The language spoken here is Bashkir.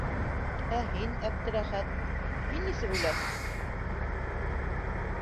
Ә һин, Әптеләхәт, һин нисек уйлайһың?